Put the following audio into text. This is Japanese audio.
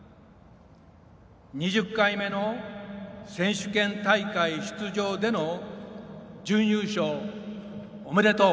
２０回目の選手権大会出場での準優勝、おめでとう。